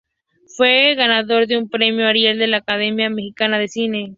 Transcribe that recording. Fue ganador de un Premio Ariel de la Academia Mexicana de Cine.